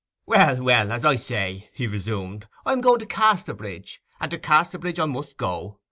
'Well, well, as I say,' he resumed, 'I am going to Casterbridge, and to Casterbridge I must go.